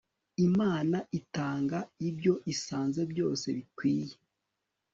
imana itanga ibyo isanze byose bikwiye